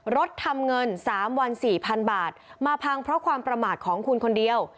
รถทำเงิน๓วัน๔๐๐๐บาทมาพังเพราะความประมาทของคุณคนเดียว